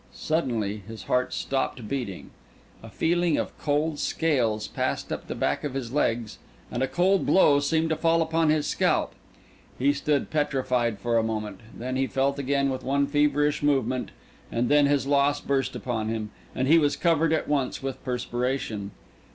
Suddenly his heart stopped beating; a feeling of cold scales passed up the back of his legs, and a cold blow seemed to fall upon his scalp. He stood petrified for a moment; then he felt again with one feverish movement; and then his loss burst upon him, and he was covered at once with perspiration.